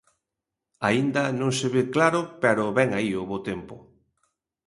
Aínda non se ve claro, pero vén aí o bo tempo.